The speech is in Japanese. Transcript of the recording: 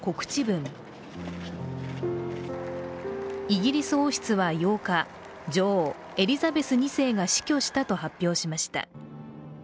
イギリス王室は８日、女王エリザベス２世が死去したと発表しまた。